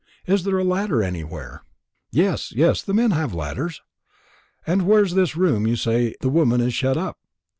Is there a ladder anywhere?" "Yes, yes. The men have ladders." "And where's this room where you say the woman is shut up?"